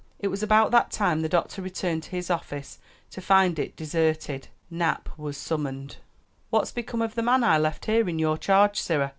It was about that time the doctor returned to his office to find it deserted. Nap was summoned. "What's become of the man I left here in your charge, sirrah?"